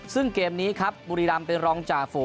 ซึ่งเกมนี้ครับบุรีรัมป์ไปร้องจ่าโผ